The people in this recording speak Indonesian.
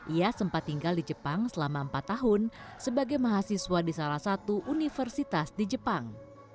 ia sempat tinggal di jepang selama empat tahun sebagai mahasiswa di salah satu universitas di jepang